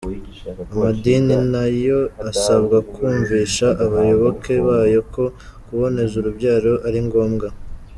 Amadini na yo asabwa kumvisha abayoboke bayo ko kuboneza urubyaro ari ngombwa.